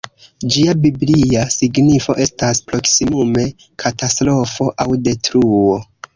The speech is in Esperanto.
Ĝia biblia signifo estas proksimume ‹katastrofo› aŭ ‹detruo›.